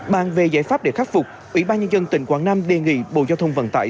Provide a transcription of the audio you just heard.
bàn về giải pháp để khắc phục ủy ban nhân dân tỉnh quảng nam đề nghị bộ giao thông vận tải